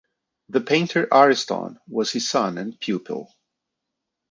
The painter Ariston was his son and pupil.